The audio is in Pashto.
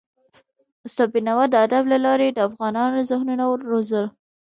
استاد بينوا د ادب له لارې د افغانونو ذهنونه روزل.